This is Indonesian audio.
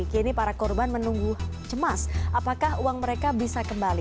kini para korban menunggu cemas apakah uang mereka bisa kembali